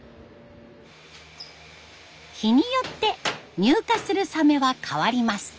日によって入荷するサメは変わります。